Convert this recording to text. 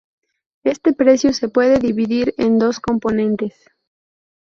Este precio se puede dividir en dos componentes.